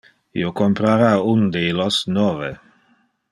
Io comprara uno de illos nove.